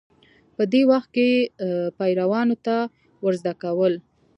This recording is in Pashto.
په دې وخت کې پیروانو ته ورزده کول